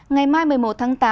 ngày mai một mươi một tháng tám